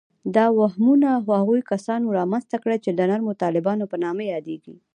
دا وهمونه هغو کسانو رامنځته کړي چې د نرمو طالبانو په نامه یادیږي